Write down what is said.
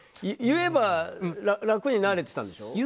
言えば、楽になれてたんでしょ。